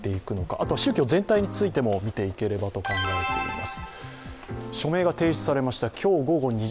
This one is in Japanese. あとは宗教全体についても見ていければと考えています。